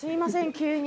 急に。